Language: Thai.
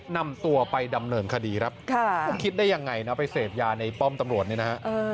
นำตัวไปดำเนินคดีครับคุณคิดได้ยังไงนะไปเสพยาในป้อมตำรวจเนี่ยนะฮะ